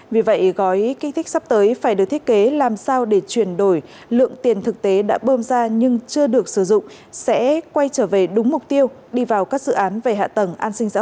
vì vậy gói kích thích sắp tới phải được thiết kế làm sao để chuyển đổi lượng tiền thực tế đã bơm ra nhưng chưa được sử dụng sẽ quay trở về đúng mục tiêu đi vào các dự án về hạ tầng an sinh xã hội